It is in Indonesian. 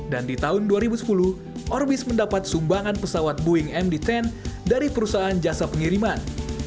dan di tahun dua ribu sepuluh orbis mendapat sumbangan pesawat boeing md sepuluh dari perusahaan jasa pengiriman